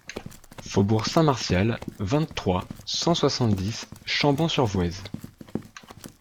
Faubourg Saint-Martial, vingt-trois, cent soixante-dix Chambon-sur-Voueize